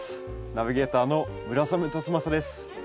ナビゲーターの村雨辰剛です。